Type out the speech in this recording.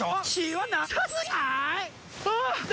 はい。